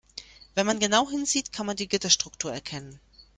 Wenn man genau hinsieht, kann man die Gitterstruktur erkennen.